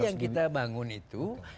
yang kita bangun itu